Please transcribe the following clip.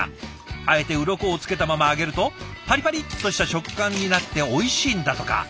あえてウロコをつけたまま揚げるとパリパリッとした食感になっておいしいんだとか。